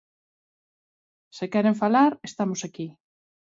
Se queren falar, estamos aquí.